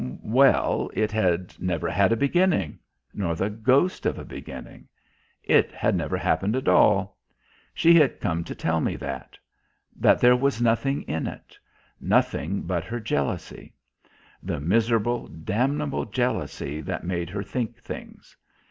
Well it had never had a beginning; nor the ghost of a beginning. It had never happened at all. She had come to tell me that: that there was nothing in it; nothing but her jealousy; the miserable, damnable jealousy that made her think things.